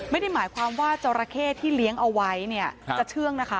ไม่ได้หมายความว่าจราเข้ที่เลี้ยงเอาไว้เนี่ยจะเชื่องนะคะ